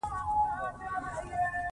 نیت صفاء کړه منزل ته خپله رسېږې.